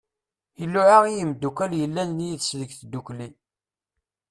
Iluɛa i yimddukal yellan yid-s deg tddukli.